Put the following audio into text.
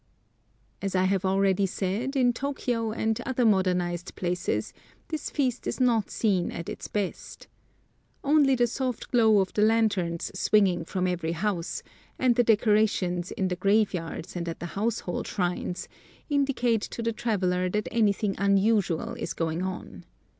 As I have already said, in Tōkyō and other modernized places, this feast is not seen at its best. Only the soft glow of the lanterns swinging from every house, and the decorations in the graveyards and at the household shrines, indicate to the traveler that anything unusual is going on.